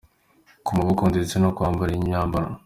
ku maboko ndetse no kwambara imyambaro